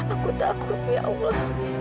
aku takut ya allah